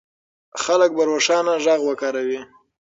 خلک به روښانه غږ کاروي.